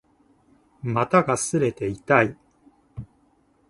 股が擦れて痛い